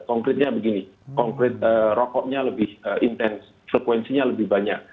konkretnya begini konkret rokoknya lebih intens frekuensinya lebih banyak